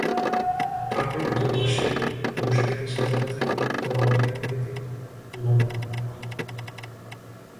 কান্ডের দুপাশে দু সারিতে সাজানো থাকে তরবারি আকৃতির লম্বা পাতা।